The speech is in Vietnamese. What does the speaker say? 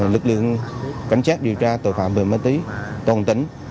lực lượng cảnh sát điều tra tội phạm về ma túy toàn tỉnh